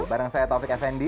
bersama saya taufik fnd